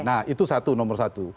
nah itu satu nomor satu